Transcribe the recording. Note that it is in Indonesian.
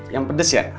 yang pedes ya